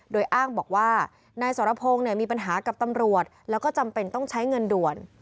โดยอ้างบอกว่านายสรพงศ์มีปัญหากับตำรวจแล้วก็จำเป็นต้องใช้เงินด่วน